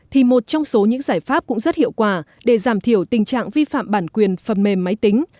thì một trong số những giải pháp cũng rất hiệu quả để giảm thiểu tình trạng vi phạm bản quyền phần mềm máy tính